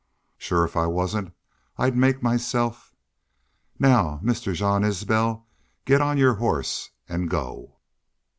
"Shore if I wasn't, I'd make myself.... Now, Mister Jean Isbel, get on your horse an' go!"